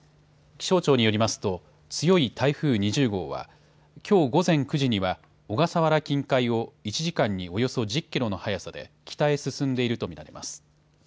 気象庁によりますと強い台風２０号はきょう午前９時には小笠原近海を１時間におよそ１０キロの速さで北へ進んでいると見られます。